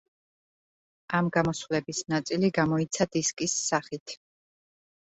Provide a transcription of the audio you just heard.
ამ გამოსვლების ნაწილი გამოიცა დისკის სახით.